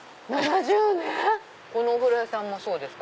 このお風呂屋さんもそうですか？